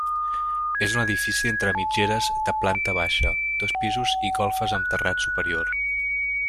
És un edifici entre mitgeres de planta baixa, dos pisos i golfes amb terrat superior.